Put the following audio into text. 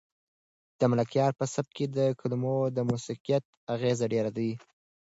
د ملکیار په سبک کې د کلمو د موسیقیت اغېز ډېر دی.